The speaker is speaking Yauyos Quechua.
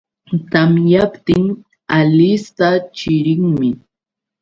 Tamyaptin Alista chirinmi